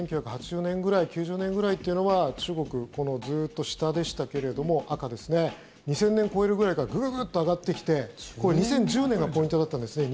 １９８０年ぐらい９０年ぐらいというのは中国、ずっと下でしたけれども赤ですね２０００年超えるぐらいからグググッと上がってきてこれ、２０１０年がポイントだったんですね